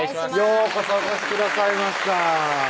ようこそお越しくださいました